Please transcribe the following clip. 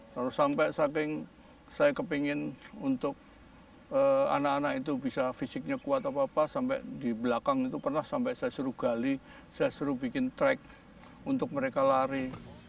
terus sampai saking saya kepingin untuk anak anak itu bisa fisiknya kuat apa apa sampai di belakang itu pernah sampai saya suruh gali saya suruh bikin track untuk mereka lari